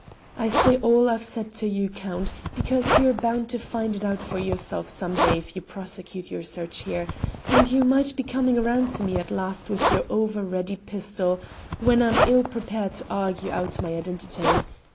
I say all I've said to you, Count, because you're bound to find it out for yourself some day if you prosecute your search here, and you might be coming round to me at last with your ower ready pistol when I was ill prepared to argue out my identity.